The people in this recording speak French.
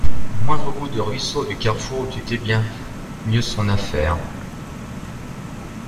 Le moindre bout de ruisseau du carrefour eût été bien mieux son affaire.